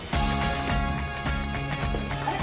あれ？